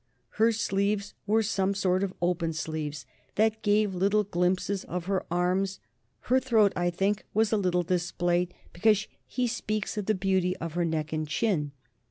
Her sleeves were some sort of open sleeves that gave little glimpses of her arms; her throat, I think, was a little displayed, because he speaks of the beauty of her neck and chin.